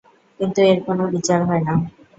কিন্তু এর কোনো বিচার হয়না।